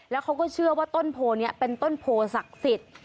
แล้วเขาก็เชื่อว่าต้นโพนี้เป็นต้นโพศักดิ์สิทธิ์